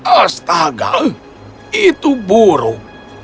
astaga itu buruk